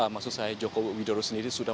maksud saya joko widodo sendiri sudah